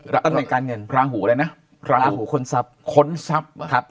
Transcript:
ตำแหน่งการเงินลาหูอะไรนะลาหูคนทรัพย์คนทรัพย์ครับ